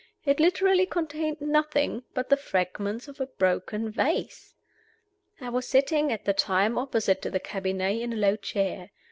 It literally contained nothing but the fragments of a broken vase. I was sitting, at the time, opposite to the cabinet, in a low chair.